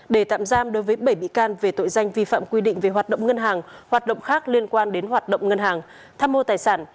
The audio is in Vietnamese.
để tạm giam đối với bảy bị can về tội danh vi phạm quy định về hoạt động ngân hàng hoạt động khác liên quan đến hoạt động ngân hàng tham mô tài sản